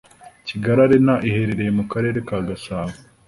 Kigali arena iherereye mukarere kagasabo